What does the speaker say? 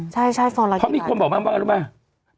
ใช่๒ละกี่บาทเพราะมีคนบอกมากรู้ไหม